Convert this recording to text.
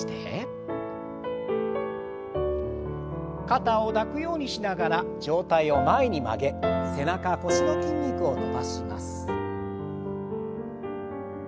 肩を抱くようにしながら上体を前に曲げ背中腰の筋肉を伸ばします。